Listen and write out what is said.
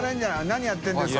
何やってるんですか？」